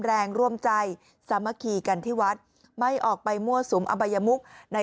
แรงร่วมใจสามัคคีกันที่วัดไม่ออกไปมั่วสุมอบัยมุกใน